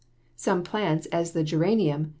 Some plants, as the geranium (Fig.